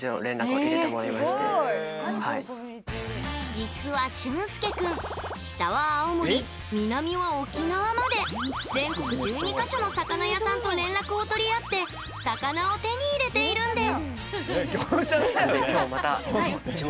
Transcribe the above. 実は、しゅんすけ君北は青森、南は沖縄まで全国１２か所の魚屋さんと連絡を取り合って魚を手に入れているんです。